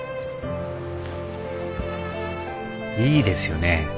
いいですよね